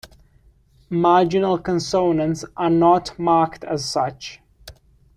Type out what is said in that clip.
Marginal consonants are not marked as such.